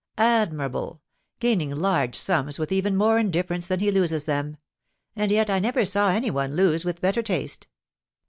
"Admirable! Gaining large sums with even more indifference than he loses them! And yet I never saw any one lose with better taste!"